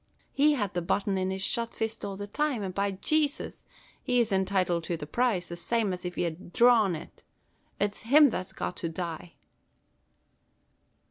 He had the button in his shut fist all the time, an' by Jaysus! he's entitled to the prize, the same as if he had dhrawn it. It's him that's got to die!"